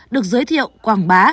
được giới thiệu quảng bá